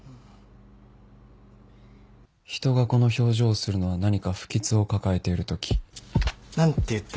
人がこの表情をするのは何か不吉を抱えているとき何て言ったらいいんだろ。